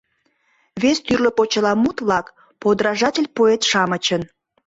Вес тӱрлӧ почеламут-влак — «подражатель»-поэт-шамычын.